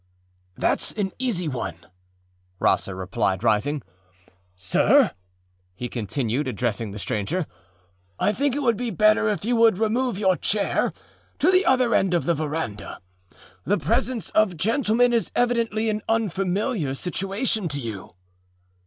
â âThatâs an easy one,â Rosser replied, rising. âSir,â he continued, addressing the stranger, âI think it would be better if you would remove your chair to the other end of the veranda. The presence of gentlemen is evidently an unfamiliar situation to you.